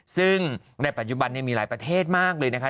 ซึ่งในปัจจุบันมีหลายประเทศมากเลยนะคะ